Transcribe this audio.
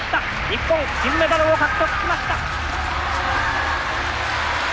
日本金メダルを獲得しました！」。